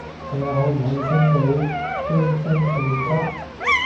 睇下可唔可以申到張新信用卡